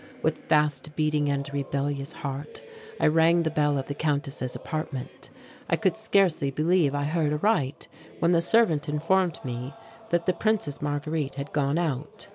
With fast beating and rebellious heart I rang the bell of the Countess' apartment. I could scarcely believe I heard aright when the servant informed me that the Princess Marguerite had gone out.